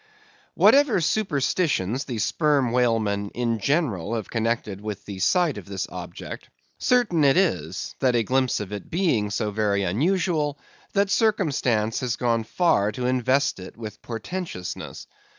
Whatever superstitions the sperm whalemen in general have connected with the sight of this object, certain it is, that a glimpse of it being so very unusual, that circumstance has gone far to invest it with portentousness.